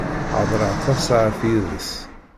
Hedreɣ tasaεet yid-s.